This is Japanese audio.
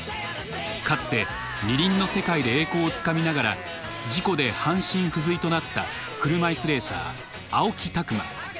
かつて２輪の世界で栄光をつかみながら事故で半身不随となった車いすレーサー青木拓磨４７歳。